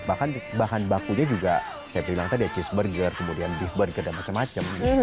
bahkan bahan bakunya juga seperti yang tadi ya cheeseburger kemudian beef burger dan macem macem